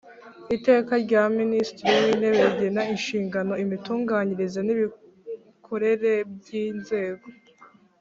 Iteka rya Minisitiri w Intebe rigena inshingano imitunganyirize n imikorere by Inzego